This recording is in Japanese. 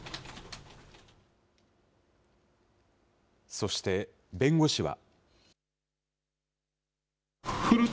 そして、弁護士は。